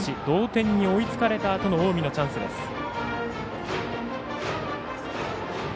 同点に追いつかれたあとの近江のチャンスです。